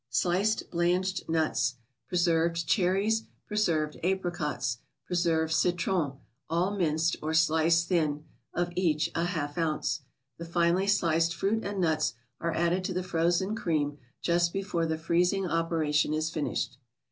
Sliced blanched nuts, preserved cherries, preserved ap¬ ricots, preserved citron (all minced, or sliced thin), of each a half ounce. The finely sliced fruit and nuts are added to the frozen cream just before the freezing operation is finished.